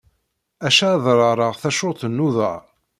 Acca ad ṛaṛeɣ tacurt n uḍar.